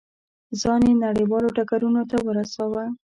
ځان یې نړیوالو ډګرونو ته ورساوه.